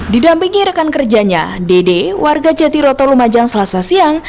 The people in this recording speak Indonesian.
didampingi rekan kerjanya dede warga jatiroto lumajang selasa siang